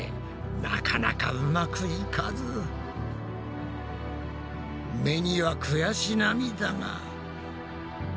なかなかうまくいかず目には悔し涙が。